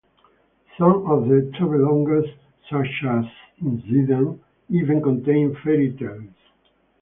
Some of the travelogues, such as "In Sweden", even contain fairy-tales.